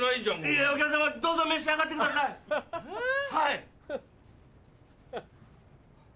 いやお客様どうぞ召し上がってください！え？